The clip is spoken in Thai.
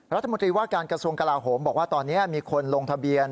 รัฐมนตรีว่าการกระทรวงกลาโหมบอกว่าตอนนี้มีคนลงทะเบียน